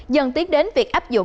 dần tiến đến việc áp dụng